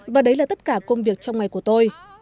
và đấy là tất cả công việc trong ngày của tôi